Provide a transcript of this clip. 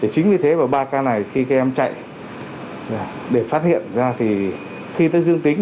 chính vì thế ba ca này khi các em chạy để phát hiện ra thì khi tới dương tính